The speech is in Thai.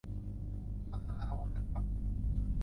พัฒนานวัตกรรม